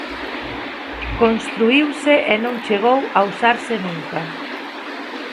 Construíuse e non chegou a usarse nunca.